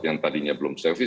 yang tadinya belum service